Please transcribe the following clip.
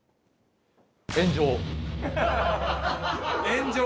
炎上？